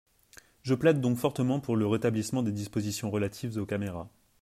Je plaide donc fortement pour le rétablissement des dispositions relatives aux caméras.